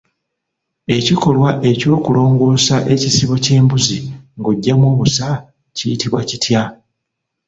Ekikolwa eky'okulongoosa ekisibo ky'embuzi ng'oggyamu obusa kiyitibwa kitya?